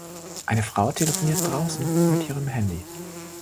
Eine Frau telefoniert draußen mit ihrem Handy.